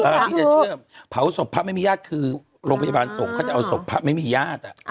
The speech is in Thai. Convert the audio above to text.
ที่จะเชื่อมเผาศพพระไม่มีญาติคือโรงพยาบาลสงฆ์เขาจะเอาศพพระไม่มีญาติ